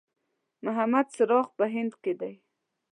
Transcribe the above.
محمد چراغ په هند کې دی.